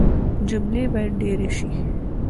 جملې بايد ډېري سي.